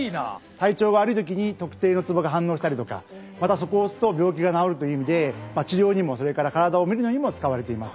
体調が悪い時に特定のツボが反応したりとかまたそこを押すと病気が治るという意味で治療にもそれから体を診るのにも使われています。